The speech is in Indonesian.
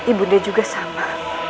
ibunya juga sama